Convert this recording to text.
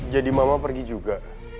jadi mama pergi juga